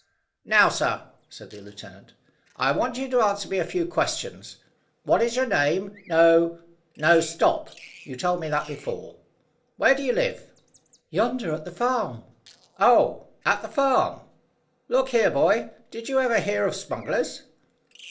"Now, sir," said the lieutenant, "I want you to answer me a few questions. What is your name no, no, stop, you told me before. Where do you live?" "Yonder, at the farm." "Oh! At the farm. Look here, boy, did you ever hear of smugglers?"